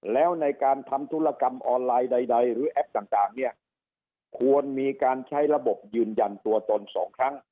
แล้วในการทำธุรกรรมออนไลน์ใดหรือแอปต่างเนี่ยควรมีการใช้ระบบยืนยันตัวตน๒ครั้ง